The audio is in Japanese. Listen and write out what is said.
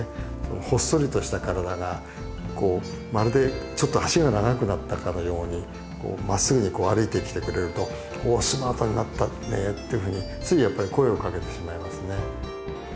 ほっそりとした体がまるでちょっと脚が長くなったかのようにまっすぐに歩いてきてくれるとおおスマートになったねっていうふうについやっぱり声をかけてしまいますね。